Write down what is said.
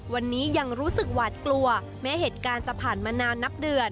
วันนี้ยังรู้สึกหวาดกลัวแม้เหตุการณ์จะผ่านมานานนับเดือน